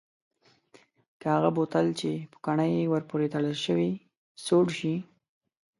که هغه بوتل چې پوکڼۍ ور پورې تړل شوې سوړ شي؟